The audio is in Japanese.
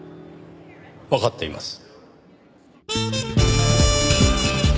わかっています。